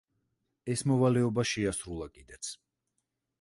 ეს მოვალეობა შეასრულა კიდეც.